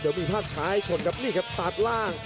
เดี๋ยวมีภาพช้าให้ชนครับนี่ครับตัดล่าง